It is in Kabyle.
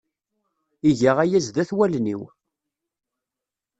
Iga aya sdat wallen-iw.